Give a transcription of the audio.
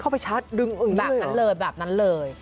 เข้าไปชาร์จดึงอย่างนี้เลยหรอแบบนั้นเลยแบบนั้นเลย